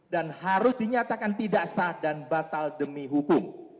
dan harus dinyatakan tidak sah dan batal demi hukum